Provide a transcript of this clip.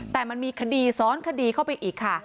แต่มันมีคดีซ้อนคดีเข้าไปอีกค่ะ